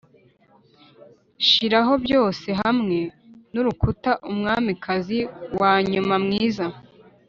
shiraho byose hamwe nurukuta, umwamikazi wanyuma mwiza